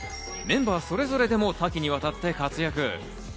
メンバーそれぞれでも多岐にわたって活躍。